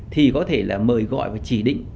thì có thể là mời gọi và chỉ định